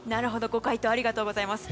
ご回答ありがとうございます。